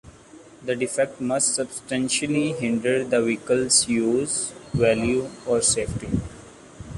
The defect must substantially hinder the vehicle's use, value, or safety.